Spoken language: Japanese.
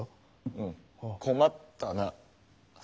うん困ったな。